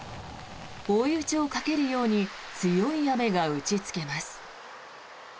追い打ちをかけるように強い雨が打ちつけます。